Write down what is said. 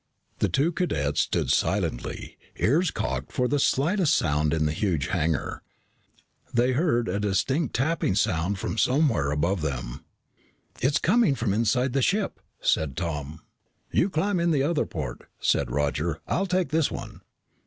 The two cadets stood silently, ears cocked for the slightest sound in the huge hangar. They heard a distinct tapping sound from somewhere above them. "It's coming from inside the ship!" said Tom. "You climb in the other port," said Roger. "I'll take this one."